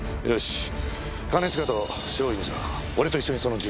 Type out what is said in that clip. よし！